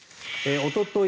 おととい